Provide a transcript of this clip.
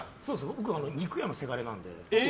僕、肉屋のせがれなんで。